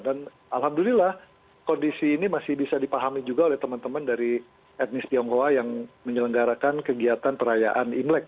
dan alhamdulillah kondisi ini masih bisa dipahami juga oleh teman teman dari etnis tionghoa yang menyelenggarakan kegiatan perayaan imlek